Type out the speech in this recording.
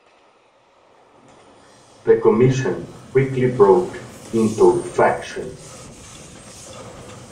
The commission quickly broke into factions.